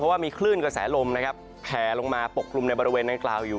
เพราะว่ามีคลื่นกระแสลมแผลลงมาปกครุมในบริเวณนั้นกล่าวอยู่